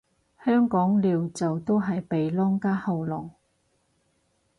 香港撩就都係鼻窿加喉嚨